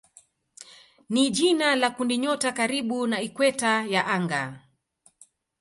ni jina la kundinyota karibu na ikweta ya anga.